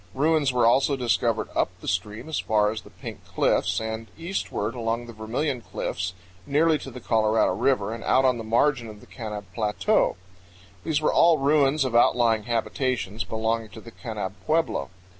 Ruins were also discovered up the stream as far as the Pink Cliffs, and eastward along the Vermilion Cliffs nearly to the Colorado River, and out on the margin of the Kanab Plateau. These were all ruins of outlying habitations be longing to the Kanab pueblo.